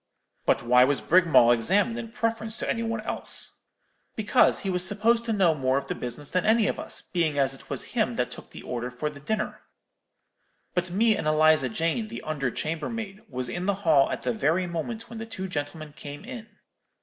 "'But why was Brigmawl examined in preference to any one else?' "'Because he was supposed to know more of the business than any of us, being as it was him that took the order for the dinner. But me and Eliza Jane, the under chambermaid, was in the hall at the very moment when the two gentlemen came in.'